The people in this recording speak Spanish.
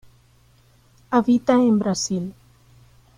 Habita en Brasil.